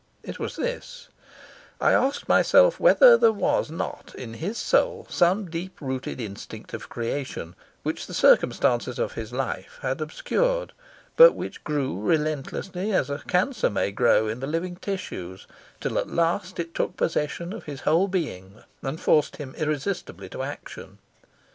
It was this: I asked myself whether there was not in his soul some deep rooted instinct of creation, which the circumstances of his life had obscured, but which grew relentlessly, as a cancer may grow in the living tissues, till at last it took possession of his whole being and forced him irresistibly to action.